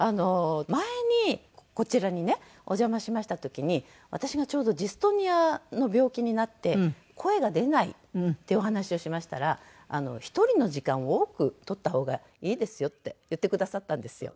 前にこちらにねお邪魔しました時に私がちょうどジストニアの病気になって声が出ないってお話をしましたら「１人の時間を多くとった方がいいですよ」って言ってくださったんですよ。